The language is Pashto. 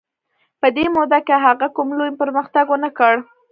په دې موده کې هغه کوم لوی پرمختګ ونه کړ.